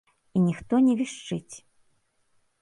І ніхто не вішчыць.